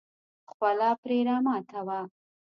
خوله پرې راماته وه.